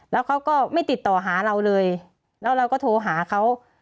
แล้วเขาก็ไม่ติดต่อหาเราเลยแล้วเราก็โทรหาเขา